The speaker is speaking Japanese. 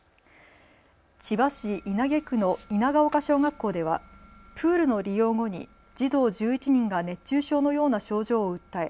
千葉市稲毛区の稲丘小学校ではプールの利用後に児童１１人が熱中症のような症状を訴え